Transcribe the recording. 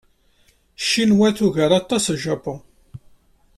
Ccinwa tugar aṭas Japun.